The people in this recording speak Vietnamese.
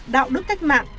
đạo đức cách mạng